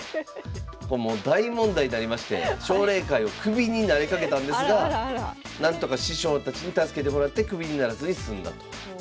これもう大問題になりまして奨励会をクビになりかけたんですがなんとか師匠たちに助けてもらってクビにならずに済んだと。